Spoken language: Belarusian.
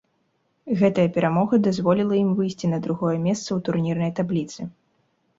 Гэтая перамога дазволіла ім выйсці на другое месца ў турнірнай табліцы.